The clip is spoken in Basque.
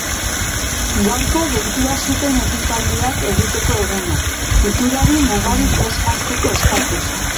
Gaurko deitua zuten ekitaldiak egiteko eguna, kulturari mugarik ez jartzeko eskatuz.